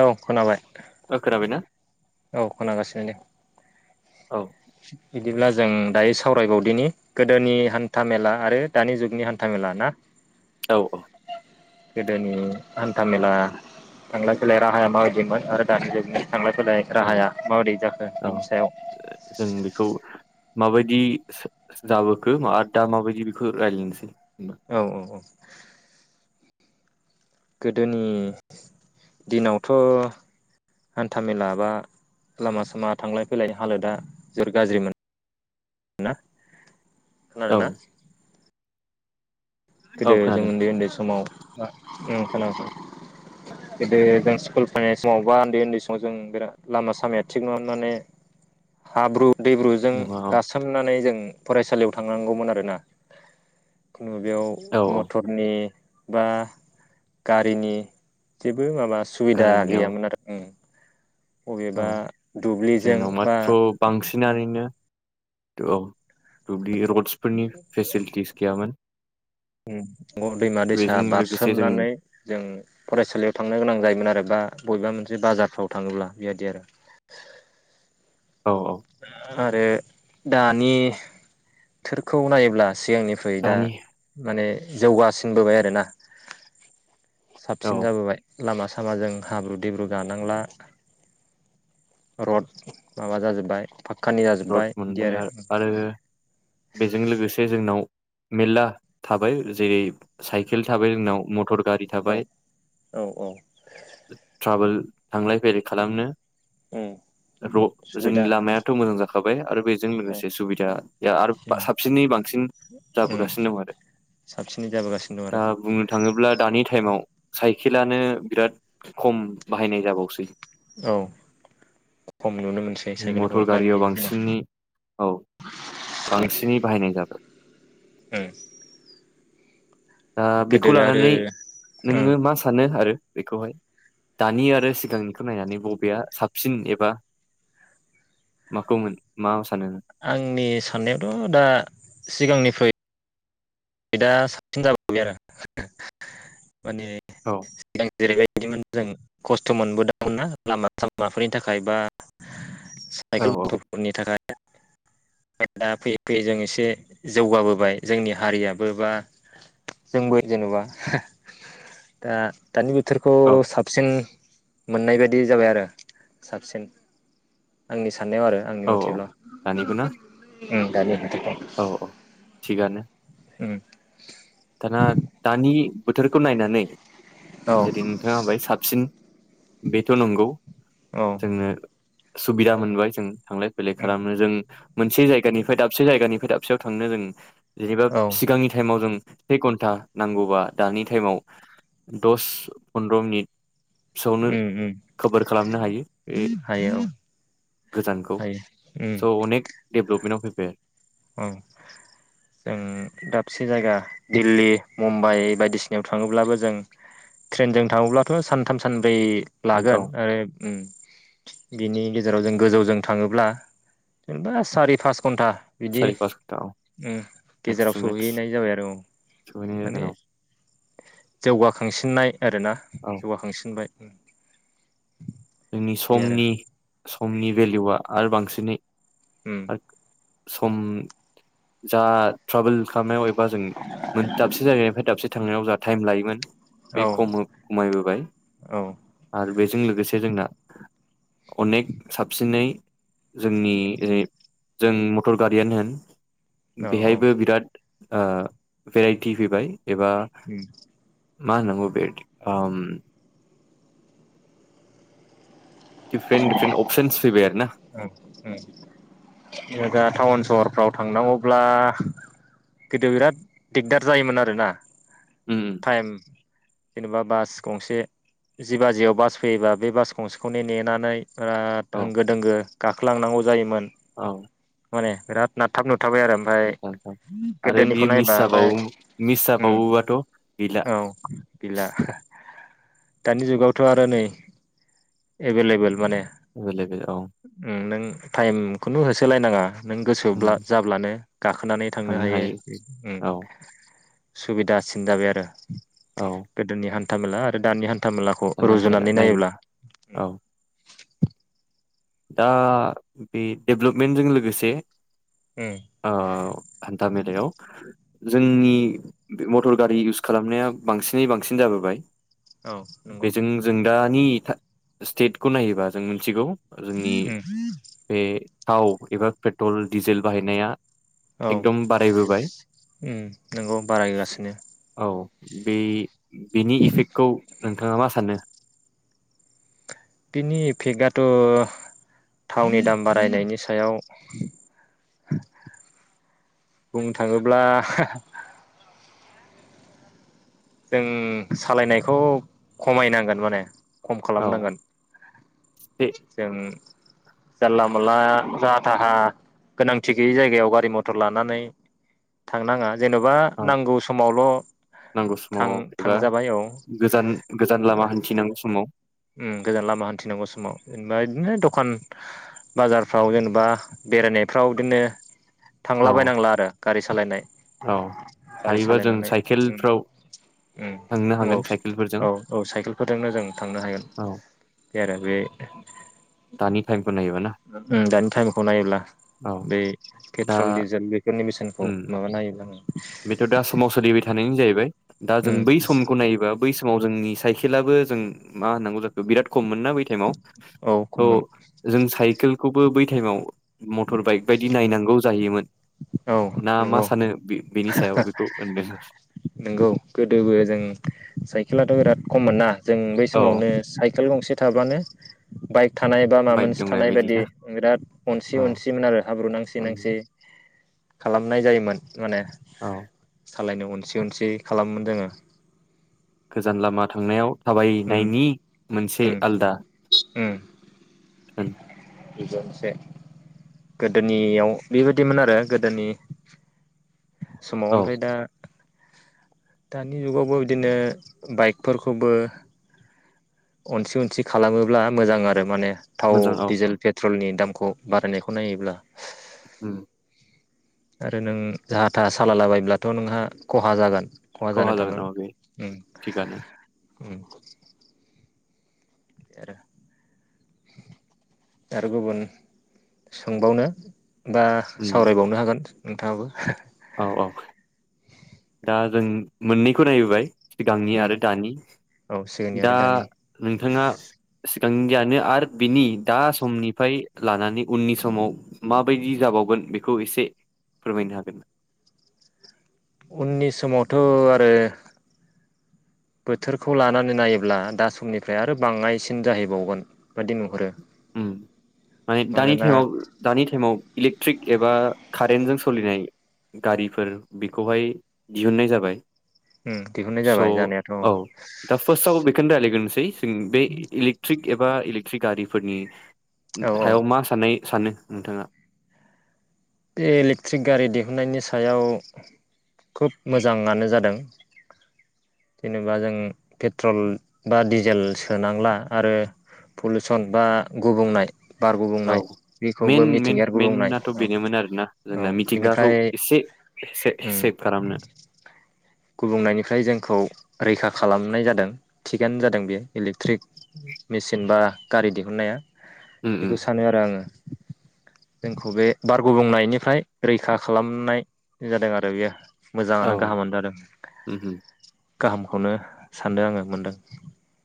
औ खोनाबाय। ओ खोनाबायना औ खोनागासिनो दे। औ बिदिब्ला जों दायो सावरायबावदिनि गोदोनि हान्था मेला आरो दानि जुगनि हान्था मेला ना? औ औ गोदोनि हान्था मेला थांलाय फैलाय राहाया माबायदिमोन आरो दानि जुगनि थांलाय फैलाय औ राहाया माबोरै जाखो औ बिनि सायाव? जों बेखौ माबायदि जाबोखो आरो दा माबायदि बेखो रायलायनोसै। औ औ औ गोदोनि दिनावथ' हान्थामेला बा लामा सामा थांलाय फैलाय हालोदा जोबोर गाज्रि मोन ना? औ खोनादोना? औ गोदो जों खोनादों उन्दै उन्दै समाव ओम खोनादों, गोदो जों जों स्कुल फैनाय समाव बा उन्दै उन्दै समाव जों बिराद लामा सामाया थिग नङा माने हाब्रु दैब्रुजों नङा औ गासोमनानै जों फरायसालियाव थांनांगौमोन आरोना खुनु बेयाव औ औ मथरनि बा गारिनि जेबो माबा सुबिदा गारिनि औ गैयामोन आरो उम औ दुब्लिजों जोंनाव बा माथ्र' बांसिनानो औ दुब्लि रडसफोरनि फेसिलिटिस गैयामोन। नंगौ दैमा दैसा बेजों लोगोसे जों बारसोमनानै जों फरायसालियाव थांनो गोनां जायोमोन आरो बा बबेबा मोनसे बाजारफ्राव थाङोब्ला बेबादि आरो। औ औ दा आरो दानि बोथोरखौ नायोब्ला सिगांनिफ्राय दा दानि माने जौगासिनबोबाय आरोना औ साबसिन जाबोबाय लामा सामाजों हाब्रु दैब्रु गानांला रड माबा जाजोब्बाय फाक्कानि रड जाजोब्बाय बिदि मोनबाय आरो बेजों लोगोसे जोंनाव मेलला थाबाय जेरै साइकेल थाबाय जोंनाव मटर गारि औ थाबाय औ औ ट्राभेल थांलाय फैलाय खालामनो उम र जोंनि सुबिदा लामायाथ' मोजां ज थाबाय आरो बेजों औ लोगोसे सुबिदाया आरो उम साबसिनै बांसिन उम जाबोगासिनो दं आरो साबसिनै जाबोगासिनो दं आरो दा बुंनो थाङोब्ला दानि टाइमाव साइकेलानो बिराद खम बाहायनाय जाबावसै औ खम नुनो मोनसै साइकेलखौ दानि दिनाव बांसिननि औ बांसिनै बाहायनाय जाबाय हम दा बेखौ लानानै उम नोङो मा सानो आरो बेखौहाय दानि आरो सिगांनिखौ नायनानै बबेया साबसिन एबा माखौमोन मा सानो? आंनि साननायावथ' दा सिगांनिफ्राय दा साबसिन जाबोबाय आरो माने औ [inaudible] जेरै बायदिमोन जों खस्थ' मोनबोदोंमोन ना लामा सामाफोरनि थाखाय बा औ साइकेल औ मथरफोरनि थाखाय नै दा फैयै फैयै जों एसे जौगाबोबाय जोंनि हारियाब बोबा जोंबो जेनेबा दा दानि बोथोरखौ औ साबसिन मोननाय बायदि जाबाय आरो साबसिन आंनि स साननायाव आरो आंनि औ औ मथेब्ला दानिखौ ना उ दानिखौ औ औ थिगानो उ दाना दानि बोथोरखौ नायनानै औ जेरै नोंथाङा बाय साबसिन बेथ' नंगौ औ जोंनो सुबिदा मोनबाय जों थांलाय फैलाय उम खालामनो जों मोनसे जायगानिफ्राय दाबसे जायगानिफ्राय दाबसेयाव थांनो जों जेनेबा औ सिगांनि टाइमाव जों से घन्टा नांगौबा दानि टाइमाव दस फन्द्र' मिनिट सोआवनो उम उम खभार खालामनो हायो बे हायो औ गोजानखौ हायो उम स' अनेक डेभलपमेन्टाव फैबाय आरो औ जों दाबसे जायगा दिल्ली मुम्बाइ बायदिसिनायाव थाङोब्लाबो जों ट्रेनजों थाङोब्लाथ' सानथाम सान ब्रै आरो। लागोन औ ओइ उम बिनि गेजेराव जों गोजौजों थाङोब्ला जेनेबा सारि पास घन्टा बिदि सारि पास घन्टा औ उम मेक्स गेजेराव टु मेक्स सौहैनाय जाबाय आरो औ सहैनाय माने जागोन औ जौगाखांसिननाय आरोना औ जौगाखांसिनबाय उम जोंनि समनि समनि भेल्युआ आरो बांसिनै उम [unintelligible] सम जा ट्राभेल खालामनायाव एबा जों मोन दाबसे जायगानिफ्राय दाबसे थांनायाव टाइम लायोमोन। बे औ खम खमायबोबाय औ आरो बेजों लोगोसे अनेक साबसिनै जोंनि जों मटर गारियानो होन औ बेहायबो बिराद ओ भेराइटि फैबाय। एबा उम मा होननांगौ बेद उम दिफारेन्ट दिफारेन्ट अपसन्स फैबाय आरो ना जायगा टाउन सहर फ्राव थांनांगौब्ला गोदो बिराद दिगदार जायोमोन आरोना। उम टाइम जेनेबा बास गंसे जि बाजियाव बास फैयोबा बे बास गंसेखौनो नेनानै ओ बिराद औ होंगो दोंगो लांनांगौ जायोमोन। औ। माने बिराद नाबथाब नुब नंगौ नोंथां आरो बेयो नायबा ओमफ्राय मिसाबावो उम मिसाबावोबाथ' गैला। औ गैला दानि जुगावथ' आरो नै एभेलेबेल माने। एभेलेबेल औ। उम नों टाइम खुनु होसोलायनाङा। नों उम गोसोब्ला जाब्लानो गाखोनानै थांनो हायो उम। औ सुबिदासिन जाबाय आरो। औ गोदोनि हान्थ न्थामेला आरो दानि हान हान्थामेलाखौ साननानै फैयालाय रुजुनानै नायनो नायोब्ला औ दा बे देभेलपमेन्टजों लोगोसे उम ओ हान्थामेलायाव जोंनि मटर गारि इउस खालामनाया बांसिनै बांसिन जाबोबाय। औ नंगौ बेजों जों दानि स्टेटखौ नायोबा जों मिथिगौ जोंनि उम बे थाव एबा पेट्रल डिजेल बाहायनाया औ एकदम बारायबोबाय। उम नंगौ बारायगासिनो औ बे बेनि इफेक्टखौ नोंथाङा मा सानो? बिनि इफेक्टआथ' थावनि दाम बारायनायनि सायाव बुंनो थाङोब्ला जों सालायनायखौ खमायनांगोन माने खम औ खालामनांगोन, बे जों जानला मोनला जाहा थाहा गोनांथि गैयि जायगायाव गारि मथर लानानै थांनाङा जेन'बा औ नांगौ समावल' नांगौ थां समाव एबा थांजाबाय औ गोजान गोजान लामा हान्थिनांगौ समाव उम, गोजान लामा हान्थिनांगौ समाव जेनेबा इदिनो दखान बाजारफ्राव जेनेबा बेरायनायफ्राव इदिनो औ थांलाबायनांला आरो गारि सालायनाय औ गारि हायोबा जों सालायनानै उम साइकेलफ्राव उम थांनो नंगौ हागोन साइकेलफोरजों औ औ साइकेलफोरजोंनो जों थांनो हागोन। औ बे आरो बे दानि टाइमखौ नायोबा ना उम दानि टाइमखौ नायोब्ला औ बे दा पेट्रल डिजेल बेफोरनि बेसेनखौ उम माबा नायो [inaudible] बेथ' दा समाव सोलिबाय थानायानो जाहैबाय। दा जों उम बै समखौ नायोबा बै समाव जोंनि साइकेलाबो जों मा होननांगौ जाखो बिराद खम मोन ना बै टाइम औ अ खममोन जों साइकेलखौबो बै टाइमाव मटर बाइक बायदि नायनांगौ जायोमोन। ना मा सानो [unintelligible] बेखौ होनदों नोंगौ गोदोबो जों साइकेलाथ' बिराद खममोन ना? जों बै औ समावनो [unintelligible] [unintelligible] गंसे थाबानो बाइक थानाय बा माबा बाइक मोनसे दंनाय थानाय बायदि ना बिराद अनसि औ अनसिमोन आरो हाब्रु नांसि उम नांसि खालामनाय जायोमोन माने औ सालायनो अनसि अनसि खालामोमोन जोङो। गोजान लामा थांनायाव उम थाबायनायनि मोनसे उम आलदा उम [unintelligible] गोदोनियाव बेबायदिमोन आरो गोदोनि समाव औ ओमफाय दा दानि जुगावबो बिदिनो बाइकफोरखौबो अनसि -अनसि खालामोब्ला मोजां आरो माने थाव, मोजां औ डिजेल, पेट्रलनि दाम [unintelligible] बारायनायखौ नायोब्ला औ। आरो नों जाहा था सालाबायब्लाथ' नोंहा खहा जागोन। जानो खहा जागोन थांगोन अ बे उम थिगानो। उम। आरो गुबुन सोंबावनो? बा उम सावरायबावनो हागोन। नोंथांङाबो औ औ दा जों मोननैखौ नायबोबाय सिगांनि उम आरो दानि औ सिगांनि दा आरो दानि नोंथाङा सिगांनि जानो आरो बिनि दा समनिफ्राय लानानै उननि समाव माबायदि जाबावगोन बेखौ एसे फोरमायनो हागोन उननि समावथ' आरो बोथोरखौ लानानै नायोब्ला दा समनिफ्राय आरो बाङायसिन जाहैबावगोन बादि नुहरो। उम माने दानि टाइमाव दानि टाइमाव इलेकट्रिक एबा कारेन्टजों सोलिनाय गारिफोर बेखौहाय दिहुननाय जाबाय। उम दिहुननाय स' जाबाय जानायाथ' औ दा फार्स्टआव बेखौनो रायलाय [unintelligible] [unintelligible] जों बे इलेकट्रिक एबा इलेकट्रिक गारिफोरनि औ सायाव मा साननाय सानो नोंथाङा? बे इलेक्ट्रिक गारि दिहुननायनि सायाव खोब मोजांङानो जादों जेनेबा जों पेट्रल बा डिजेल सोनांला आरो पलुसन बा गुबुंनाय बार औ गुबुंनाय मेन बेखौबो मेन मिथिंगारि गुबुंनाय मेनाथ' औ बेनोमोन आरोना औ जोंना मिथिंगाखौ बिनिफ्राय एसे से उम सेब खालामनो गुबुंनायनिफ्राय जोंखौ रैखा खालामनाय जादों थिगानो जादों बेयो इलेक्ट्रिक मेसिन बा गारि दिहुनन्नाया उम बेखौ उम सानो आरो आङो जोंखौ बे बार गुबुंनायनिफ्राय रैखा खालामनाय जादों आरो बेयो औ मोजाङानो गाहामानो जादों उम उम गाहामखौनो सानदों आङो मोनदों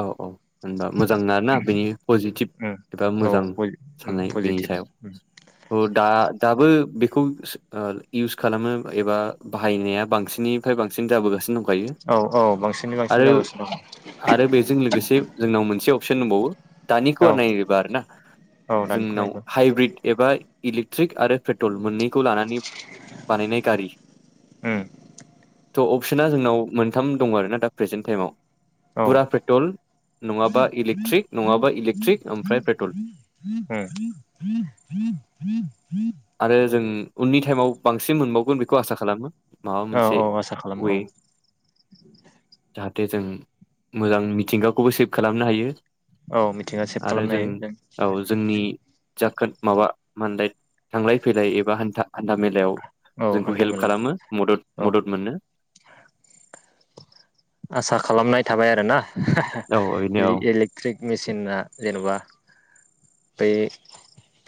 औ औ होनबा मोजां ना आरोना बेनि पजिटिभ उम एबा औ मोजां उम साननाय बेनि पजिटिभ सायाव उम औ दा दाबो बेखौ सो इउस खालामो एबा बाहायनाया बांसिननिफ्राय बांसिन जाबोगासिनो दं औ औ बांसिनै बांसिन जागासिनो दं आरो बेजों लोगोसे जोंनाव मोनसे अपसन दंबावो दानिखौ दं नायोबा आर ना औ जोंनाव दानिखौनायबो हाइब्रिद एबा इलेक्ट्रिक आरो पेट्रल मोननै खौ लानानै बानायनाय गारि उम स' अपसना जोंनाव मोनथाम दं आरोना दा प्रेजेन्ट टाइमाव औ फुरा उम पेट्रल नङाबा इलेक्ट्रिक नङाबा इलेक्ट्रिक ओमफ्राय पेट्रल आरो जों नि टाइमाव बांसिन मोनबावगोन बेखौ आसा खालामो माबा औ मोनसे औ आसा खालामो वे औ जाथ देजों मोजां मिथिंगाखौबो सेभ खालामनो हायो औ मिथिंगा सेभ आरो खालामनो जों हायो औ जोंनि जाखोद माबा माय थांलाय फैलाय एबा हान्था-हान्था मेलायाव औ जोंखौ हान्था हेल्प मेला खालामो औ मदद-मदद मोनो आसा खालामनाय थाबाय आरो ना [unintelligible] औ बेनो औ इलि-इलेक्ट्रिक मेसिनना जेनेबा बै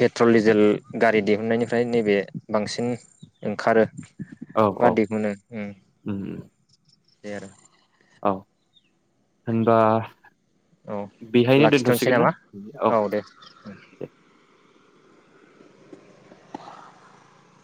पेट्रल दिजेल गारि दिहुननायनिफ्राय नैबे बांसिन ओंखारो औ औ बार्डेखौनो उम देर औ होनबा औ बेहायनो लाखिथ'नोसै दोनथ'सिगोन ना नामा औ दे। दे